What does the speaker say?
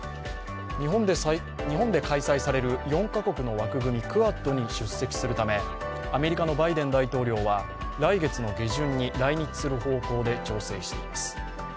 日本で開催される４カ国の枠組み、クアッドに出席するためアメリカのバイデン大統領は、来月の下旬に来日する方向で調整しています。